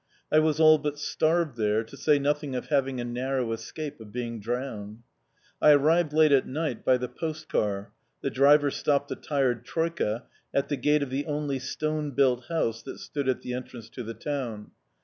I was all but starved there, to say nothing of having a narrow escape of being drowned. I arrived late at night by the post car. The driver stopped the tired troika at the gate of the only stone built house that stood at the entrance to the town.